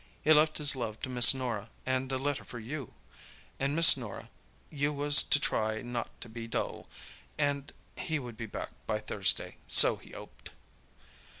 He left his love to Miss Norah, and a letter for you; and Miss Norah, you was to try not to be dull, and he would be back by Thursday, so he 'oped."